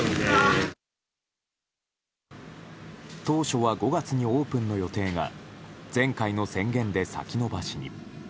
当初は５月にオープンの予定が前回の宣言で先延ばしに。